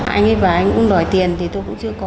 anh ấy và anh cũng đòi tiền thì tôi cũng chưa có